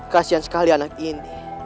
kasian sekali anak ini